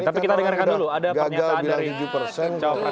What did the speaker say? tapi kita dengarkan dulu ada penyataan dari